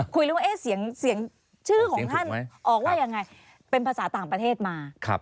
คุยเลยว่าเสียงชื่อของท่านออกว่ายังไงเป็นภาษาต่างประเทศมา